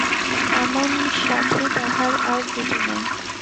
এমন সাখী তাহার আর জুটে নাই।